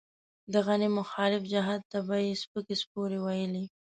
د غني مخالف جهت ته به يې سپکې سپورې ويلې.